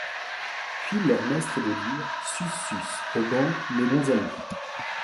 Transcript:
Puis leur maistre de dire :— Sus, sus, aux bancs, mes bons amys !